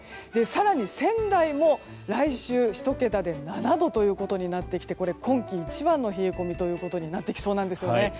更に仙台も来週１桁で７度ということになってきてこれ、今季一番の冷え込みとなってきそうなんですね。